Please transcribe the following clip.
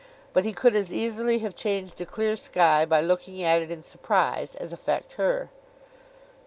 But he could as easily have changed a clear sky by looking at it in surprise, as affect her.